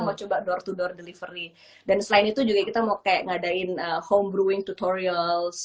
mau coba door to door delivery dan selain itu juga kita mau kayak ngadain home growing tutorials